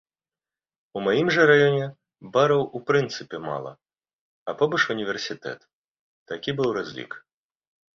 У маім жа раёне бараў у прынцыпе мала, а побач універсітэт, такі быў разлік.